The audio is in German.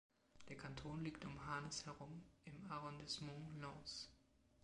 Der Kanton liegt um Harnes herum im Arrondissement Lens.